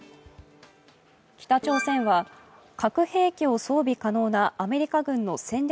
北朝鮮は核兵器を装備可能なアメリカ軍の戦略